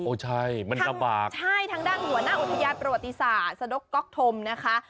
โอ้ใช่มันสะบากใช่ทางด้านหัวหน้าอุทยาตรประวัติศาสนกก๊อกธมนะคะ